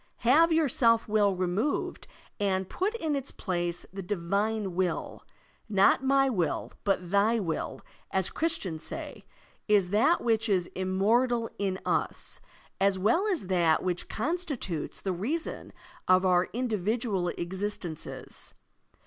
Have your self will removed and put in its place the divine will. "Not my will, but thy will," as Christians say, is that which is immortal in us, as well as that which constitutes the reason of our individual existences.